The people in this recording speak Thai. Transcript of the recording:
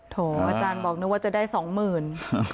โถอาจารย์บอกนึกว่าจะได้สองหมื่น